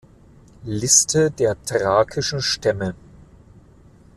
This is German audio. Liste der thrakischen Stämme